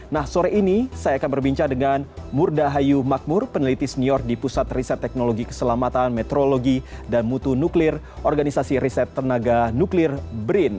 nah sore ini saya akan berbincang dengan murda hayu makmur peneliti senior di pusat riset teknologi keselamatan meteorologi dan mutu nuklir organisasi riset tenaga nuklir brin